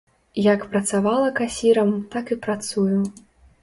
Як працавала касірам, так і працую.